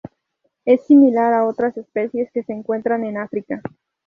Es similar a otras especies que se encuentran en África.